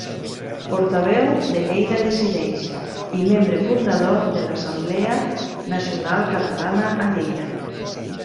Portaveu de Lleida Decideix i membre fundador de l'Assemblea Nacional Catalana a Lleida.